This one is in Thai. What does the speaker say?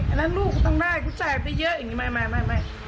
อันนั้นลูกกูต้องได้กูจ่ายไปเยอะไม่